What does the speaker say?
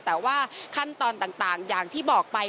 แต่ว่าขั้นตอนต่างอย่างที่บอกไป